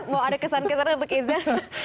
mau ada kesan kesan untuk izan